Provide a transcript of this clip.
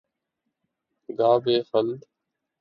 گاہ بہ خلد امیدوار‘ گہہ بہ جحیم بیم ناک